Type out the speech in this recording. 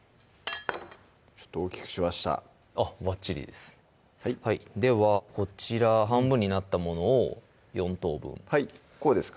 ちょっと大きくしましたばっちりですではこちら半分になったものを４等分こうですか？